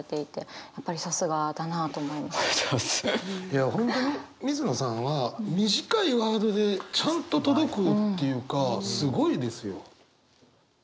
いや本当に水野さんは短いワードでちゃんと届くっていうかすごいですよ。